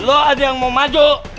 loh ada yang mau maju